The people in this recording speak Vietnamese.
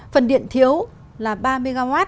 phần điện thiếu là ba mw